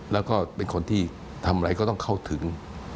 แล้วก็เป็นคนที่ทำอะไรก็ต้องเข้าถึง